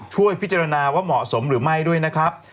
ช่วยพิจารณาว่าเหมาะสมหรือไม่ด้วยนะครับ